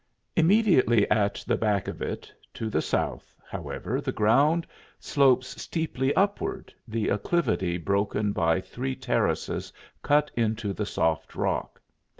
Immediately at the back of it, to the south, however, the ground slopes steeply upward, the acclivity broken by three terraces cut into the soft rock.